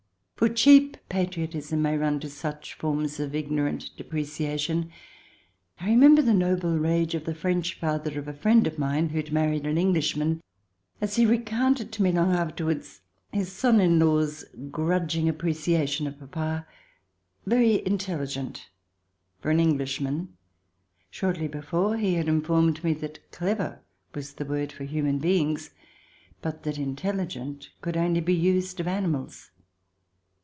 For cheap patriotism may run to such forms of ignorant depreciation. I remember the noble rage of the French father of a friend of mine who had married an Englishman, as he recounted to me, long afterwards, his son in law's grudging appre ciation of papa —" Very intelligent for an English man !" Shortly before, he had informed him that " clever " was a word for human beings, but that " intelligent " could only be used of animals.